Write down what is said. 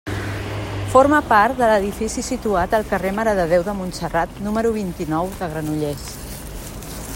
Forma part de l'edifici situat al carrer Mare de Déu de Montserrat, número vint-i-nou, de Granollers.